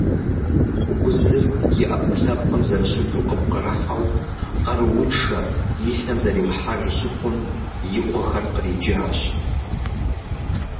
Узыр и ӏэпкълъэпкъым зэрыщыту къыпкърыхьэу, къарууншэ, и лъэм зэримыхьэж щыхъум, и къуэхэр къриджащ.